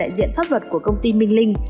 và tân là đại diện pháp luật của công ty minh linh